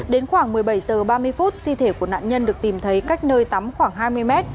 đến khoảng một mươi bảy h ba mươi phút thi thể của nạn nhân được tìm thấy cách nơi tắm khoảng hai mươi m